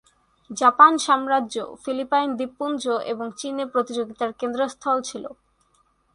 Japan সাম্রাজ্য, Philippine দ্বীপপুঞ্জ এবং চীনে এ প্রতিযোগিতার কেন্দ্রস্থল ছিল।